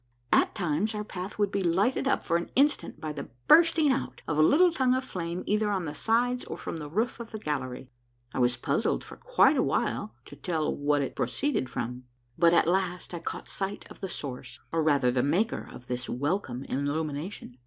At times our path would be lighted up for an instant by the bursting out of a little tongue of flame either^ on the sides or from the roof of the gallery. I was puzzled for quite a while to tell what it proceeded from ; but at last I caught sight of the source, or rather the maker, of this welcome illumination.